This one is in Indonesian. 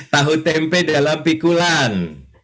tahu tempe dalam pikulan